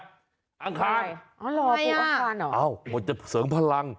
อ๋อรอปลูกอังคารเหรออะไรอ่ะเอ้ามันจะเสริมพลัง